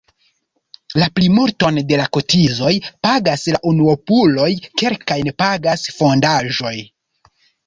La plimulton de la kotizoj pagas la unuopuloj, kelkajn pagas fondaĵoj.